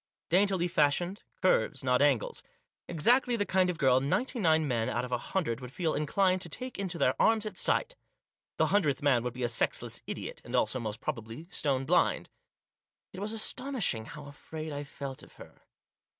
Dantily fashioned, curves not angles. Exactly the kind of girl ninety nine men out of a hundred would feel inclined to take into their arms at sight. The hundredth man would be a sexless idiot ; and, also, most probably, stone blind. It was astonishing how afraid I felt of her.